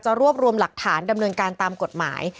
รวบรวมหลักฐานดำเนินการตามกฎหมาย